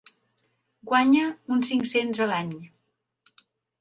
Guanya uns cinc cents a l'any.